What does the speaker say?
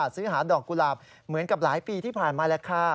ซื้อหาดอกกุหลาบเหมือนกับหลายปีที่ผ่านมาแหละค่ะ